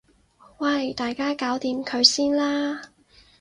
喂大家搞掂佢先啦